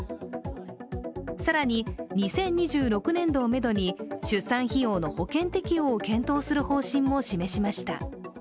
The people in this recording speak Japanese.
更に、２０２６年度をめどに出産費用の保険適用を検討する方針も示しました。